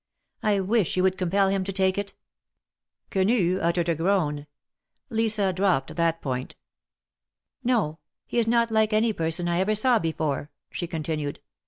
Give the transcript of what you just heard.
I wish you would compel him to take it." 182 THE MARKETS OF PARIS. Quenu uttered a groan. Lisa dropped that point No ; he is not like any person I ever saw before," she continued.